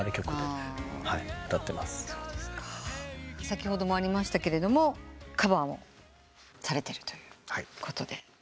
先ほどもありましたけれどもカバーもされてるということで。